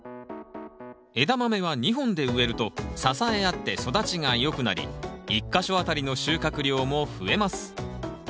エダマメは２本で植えると支え合って育ちが良くなり１か所あたりの収穫量も増えます。